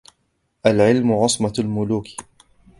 الْعِلْمُ عِصْمَةُ الْمُلُوكِ